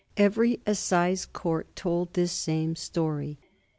Every assize court told this same story.